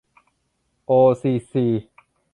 โอ ซี ซี